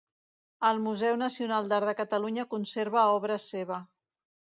El Museu Nacional d'Art de Catalunya conserva obra seva.